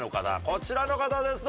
こちらの方です。